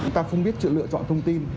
chúng ta không biết lựa chọn thông tin